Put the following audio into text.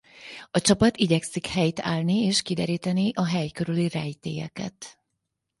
A csapat igyekszik helyt állni és kideríteni a hely körüli rejtélyeket.